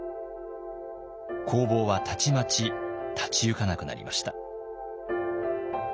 工房はたちまち立ち行かなくなりました。